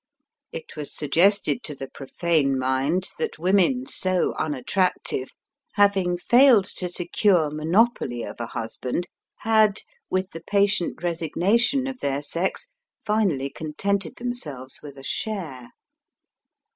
It was suggested to the profane mind that women so unattractive, having failed to secure monopoly of a hushand, had, with the patient resigna tion of their sex, finally contented themselves with a share.